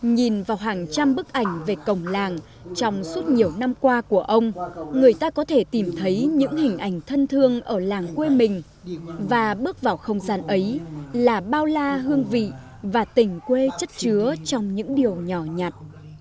nhìn vào hàng trăm bức ảnh về cổng làng trong suốt nhiều năm qua của ông người ta có thể tìm thấy những hình ảnh thân thương ở làng quê mình và bước vào không gian ấy là bao la hương vị và tình quê chất chứa trong những điều nhỏ nhặt